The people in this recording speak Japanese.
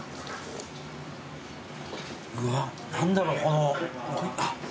うわっ何だろこのあっ。